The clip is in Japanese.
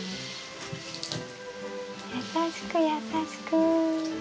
優しく優しく。